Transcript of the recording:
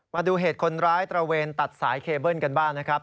มาดูเหตุคนร้ายตระเวนตัดสายเคเบิ้ลกันบ้างนะครับ